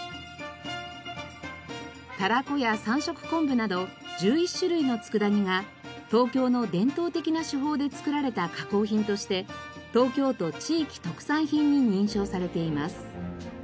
たらこや三色昆布など１１種類の佃煮が東京の伝統的な手法で作られた加工品として東京都地域特産品に認証されています。